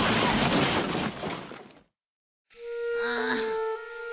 ああ。